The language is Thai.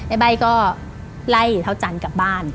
ไอ้ใบก็ไล่เท้าจันกลับบ้าน